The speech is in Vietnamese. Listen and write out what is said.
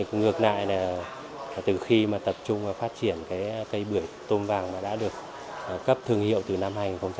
ngược lại là từ khi mà tập trung vào phát triển cái cây bưởi tôm vàng mà đã được cấp thương hiệu từ năm hai nghìn một mươi